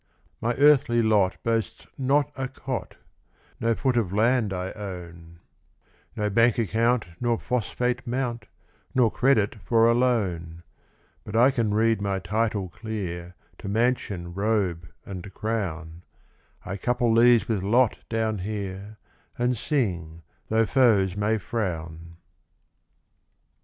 My earthly lot boasts not a cot, No foot of land I own, No bank account nor phosphate mount, Nor credit for a loan; But I can read my title clear To mansion, robe, and crown; I couple these with lot down here, And sing, tho' foes may frown.